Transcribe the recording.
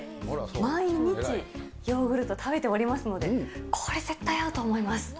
毎日ヨーグルト食べておりますので、これ絶対合うと思います。